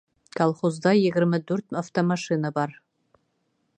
Колхозда егерме дүрт автомашина бар.